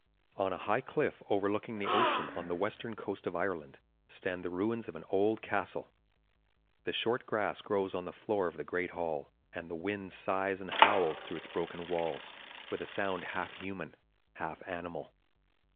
On a high cliff overlooking the ocean, on the western coast of Ireland, stand the ruins of an old castle. The short grass grows on the floor of the great hall, and the wind sighs and howls through its broken walls, with a sound half human, half animal.